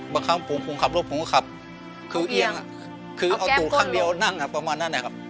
บางครั้งผมขับรถผมก็ขับคือเอียงคือเอาตู่ข้างเดียวนั่งประมาณนั้นนะครับ